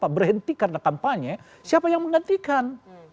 berhenti karena kampanye siapa yang menggantikan